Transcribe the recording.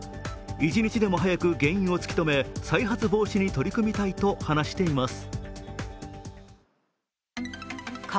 一日でも早く原因を突き止め、再発防止に取り組みたいと話しています。